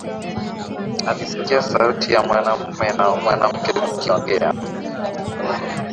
Alisikia sauti ya mwanaume na mwanamke zikiongea